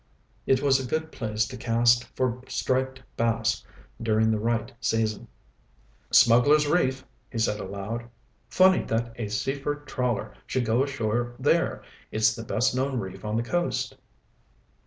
It was a good place to cast for striped bass during the right season. "Smugglers' Reef," he said aloud. "Funny that a Seaford trawler should go ashore there. It's the best known reef on the coast."